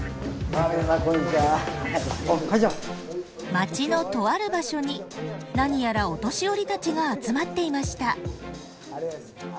町のとある場所に何やらお年寄りたちが集まっていました。